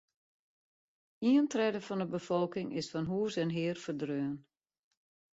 Ien tredde fan de befolking is fan hûs en hear ferdreaun.